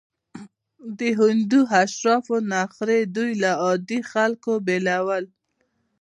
د هندو اشرافو نخرې دوی له عادي خلکو بېلول.